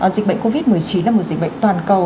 dịch bệnh covid một mươi chín là một dịch bệnh toàn cầu